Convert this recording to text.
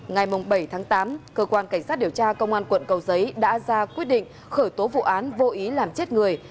ngày bảy tháng tám cơ quan cảnh sát điều tra công an quận cầu giấy đã ra quyết định khởi tố vụ án vô ý làm chết người